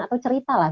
atau cerita lah